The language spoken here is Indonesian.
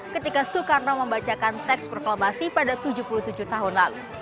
ketika soekarno membacakan teks proklamasi pada tujuh puluh tujuh tahun lalu